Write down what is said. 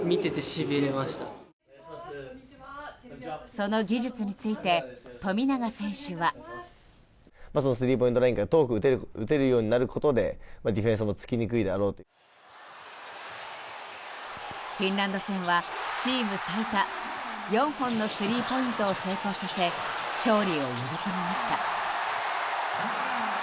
その技術について富永選手は。フィンランド戦はチーム最多４本のスリーポイントを成功させ勝利を呼び込みました。